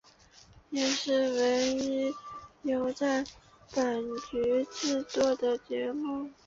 也是唯一由在阪局制作的节目。